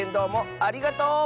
ありがとう！